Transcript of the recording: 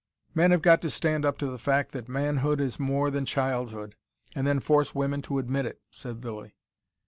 "Men have got to stand up to the fact that manhood is more than childhood and then force women to admit it," said Lilly.